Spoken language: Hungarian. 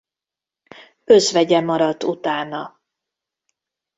Özvegye maradt utána.